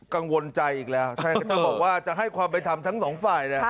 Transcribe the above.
กังวลใจอีกแล้วถ้าบอกว่าจะให้ความเป็นธรรมทั้งสองฝ่าย